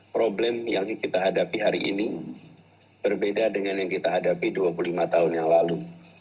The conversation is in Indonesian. problem yang kita hadapi hari ini berbeda dengan yang kita hadapi dua puluh lima tahun yang lalu